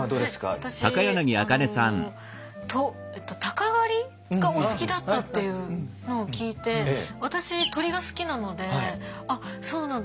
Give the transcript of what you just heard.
私あの鷹狩りがお好きだったっていうのを聞いて私鳥が好きなのであっそうなんだ